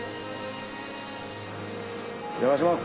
お邪魔します。